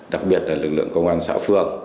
đặc biệt là lực lượng công an xã phường